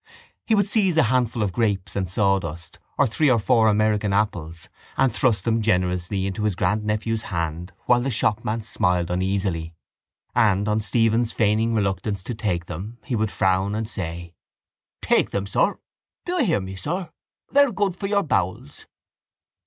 He would seize a handful of grapes and sawdust or three or four American apples and thrust them generously into his grandnephew's hand while the shopman smiled uneasily; and, on Stephen's feigning reluctance to take them, he would frown and say: —Take them, sir. Do you hear me, sir? They're good for your bowels.